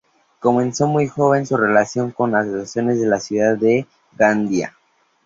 Comenzó muy joven su relación con las asociaciones de la ciudad de Gandía.